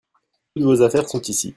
Toutes vos affaires sont ici.